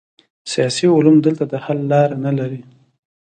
سیاسي علوم دلته د حل لاره نلري.